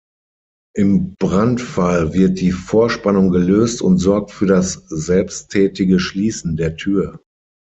Im Brandfall wird die Vorspannung gelöst und sorgt für das selbsttätige Schließen der Tür.